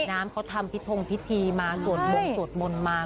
น้ำเขาทำพิธงพิธีมาสวดมงสวดมนต์มา